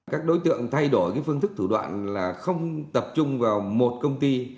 các đối tượng thay đổi phương thức thủ đoạn là không tập trung vào một công ty